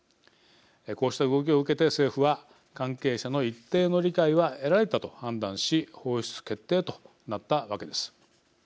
こうした動きを受けて政府は関係者の一定の理解は得られたと判断し放出決定となったわけです。